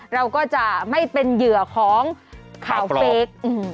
เราก็จะไม่เป็นเหยื่อของข่าวเฟค